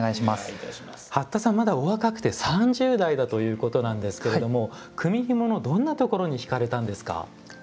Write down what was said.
八田さんまだお若くて３０代だということなんですけれども組みひものどんなところに惹かれたんですか？